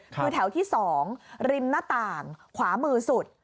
คือแถวที่๒ริมหน้าต่างขวามือสุด